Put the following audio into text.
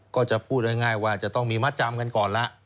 ก็จะพูดง่ายว่าจะต้องมีมัดจำกันก่อนละ